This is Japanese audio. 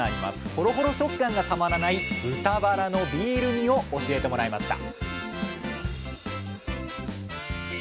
ホロホロ食感がたまらない「豚バラのビール煮」を教えてもらいました